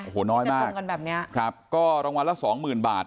โอ้โหน้อยมากก็รางวัลละ๒๐๐๐๐บาท